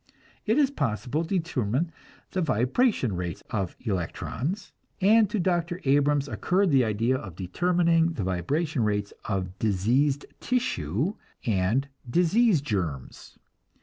It is possible to determine the vibration rates of electrons, and to Dr. Abrams occurred the idea of determining the vibration rates of diseased tissue and disease germs.